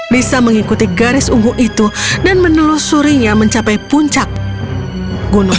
bisa mengikuti garis ungu itu dan menelusurinya mencapai puncak gunung